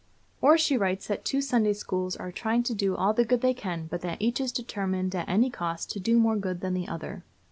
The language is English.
Or she writes that two Sunday schools are trying to do all the good they can, but that each is determined at any cost to do more good than the other."